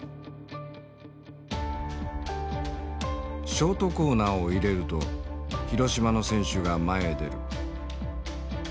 ショートコーナーを入れると広島の選手が前へ出る。